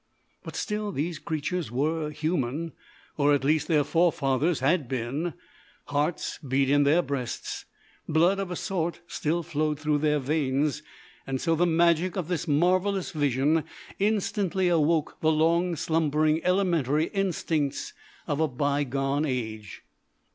But still these creatures were human, or at least their forefathers had been. Hearts beat in their breasts, blood of a sort still flowed through their veins, and so the magic of this marvellous vision instantly awoke the long slumbering elementary instincts of a bygone age.